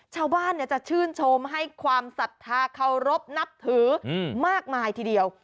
ชาวบ้านจะชื่นชมให้ความศรัทธาเคารพนับถือมากมายทีเดียว